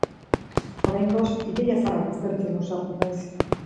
Oraingoz, ideia zaharrak baztertzen ausartu naiz.